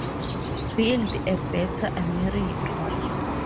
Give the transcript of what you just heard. build a better America.